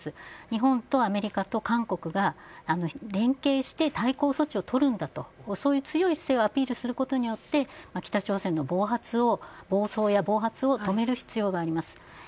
日本とアメリカと韓国が連携して対抗措置をとるんだとそういう強い姿勢をアピールすることで北朝鮮の暴走や暴発を止める必要があります。